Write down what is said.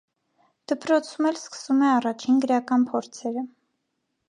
Դպրոցում էլ սկսում է առաջին գրական փորձերը։